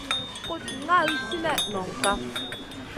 Kuɗ ŋal sinèh noŋ kaf.